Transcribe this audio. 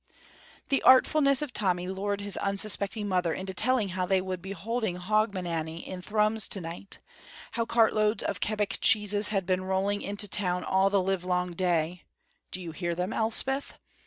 The artfulness of Tommy lured his unsuspecting mother into telling how they would be holding Hogmanay in Thrums to night, how cartloads of kebbock cheeses had been rolling into the town all the livelong day ("Do you hear them, Elspeth?")